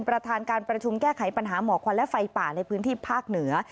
ประธานการประชุมแก้ไขปัญหาหมอกควันและไฟป่าในพื้นที่ภาคเหนือ